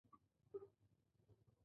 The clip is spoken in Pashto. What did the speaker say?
دوهم په اداره کې د سلسله مراتبو اصل دی.